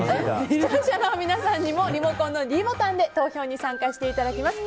視聴者の皆さんにもリモコンのｄボタンで投票に参加していただきます。